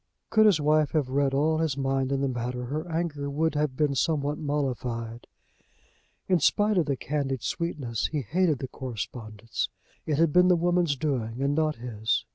Could his wife have read all his mind in the matter her anger would have been somewhat mollified. In spite of the candied sweetness he hated the correspondence. It had been the woman's doing and not his.